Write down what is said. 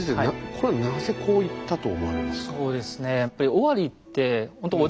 これなぜこう言ったと思われますか？